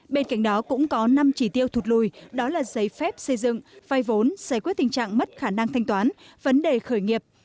bên cạnh đó cũng có năm chỉ tiêu thụt lùi đó là giấy phép xây dựng phai vốn giải quyết tình trạng mất khả năng thanh toán vấn đề khởi nghiệp